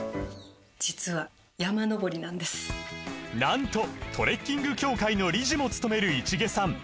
実はなんとトレッキング協会の理事もつとめる市毛さん